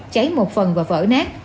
cháy một phần và vỡ nát